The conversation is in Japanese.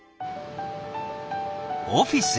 オフィスへ。